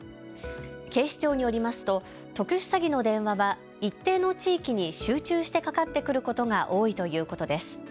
警視庁によりますと特殊詐欺の電話は一定の地域に集中してかかってくることが多いということです。